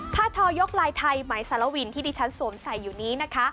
ทอยกลายไทยไหมสารวินที่ดิฉันสวมใส่อยู่นี้นะคะ